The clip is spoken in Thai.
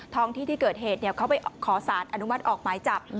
ท้องที่ที่เกิดเหตุเขาไปขอสารอนุมัติออกหมายจับ